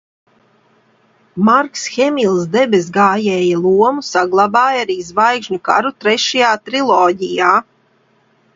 "Marks Hemils Debesgājēja lomu saglabāja arī "Zvaigžņu karu" trešajā triloģijā."